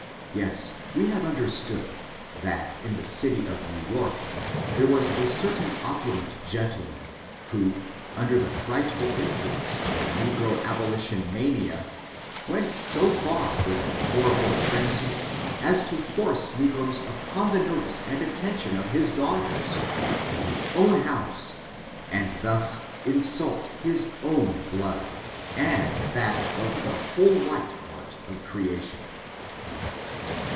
Yes, we have under stood, that, in the city of New York, there was a dor tain opulent gentleman, who, under the frightful influence of the negro abolition mania, went so fiir with the horrible phrenzy, as to force negroes upoii the notice and attention of his daughters, in his dwti houscvand thus insult his own blood, and that of the whole white part of creation.